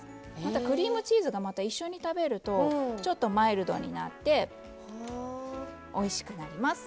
クリームチーズが一緒に食べるとちょっとマイルドになっておいしくなります。